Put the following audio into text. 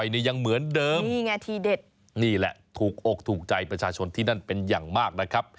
นี่แหละถูกโอกถูกใจประชาชนที่นั่นเป็นอย่างมากนะครับ